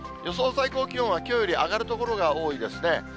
最高気温はきょうより上がる所が多いですね。